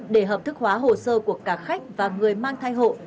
để hợp thức hóa hồ sơ của cả khách và người mang thai hộ